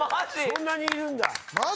そんなにいるんだ